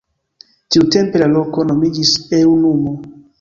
Tiutempe la loko nomiĝis Eŭnumo.